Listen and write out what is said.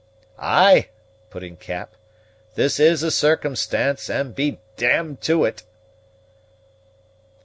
"Ay," put in Cap, "this is a circumstance, and be d d to it!"